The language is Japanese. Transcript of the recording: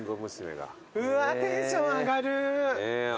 うわっテンション上がる。